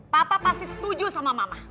papa pasti setuju sama mama